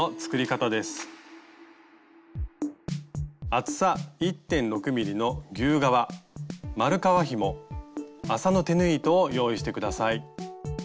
厚さ１．６ｍｍの牛革丸革ひも麻の手縫い糸を用意して下さい。